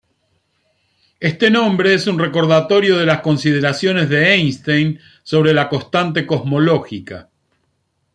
Este nombre es un recordatorio de las consideraciones de Einstein sobre la constante cosmológica.